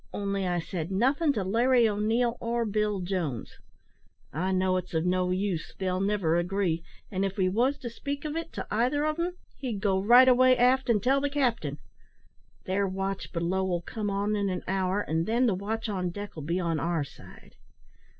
Only I said nothing to Larry O'Neil or Bill Jones. I know it's of no use. They'll never agree; and if we wos to speak of it to either on 'em, he'd go right away aft an' tell the captain. Their watch below 'll come on in an hour, an' then the watch on deck'll be on our side.